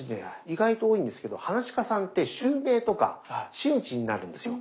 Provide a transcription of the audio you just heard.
意外と多いんですけどはなし家さんって襲名とか真打ちになるんですよ。